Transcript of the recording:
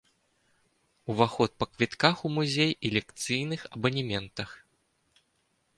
Уваход па квітках у музей і лекцыйных абанементах.